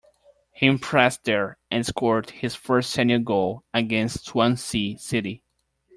He impressed there, and scored his first senior goal against Swansea City.